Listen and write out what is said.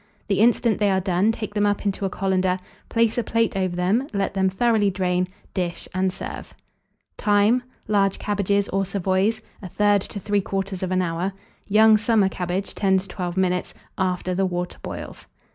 The instant they are done, take them up into a colander, place a plate over them, let them thoroughly drain, dish, and serve. Time. Large cabbages, or savoys, 1/3 to 3/4 hour, young summer cabbage, 10 to 12 minutes, after the water boils.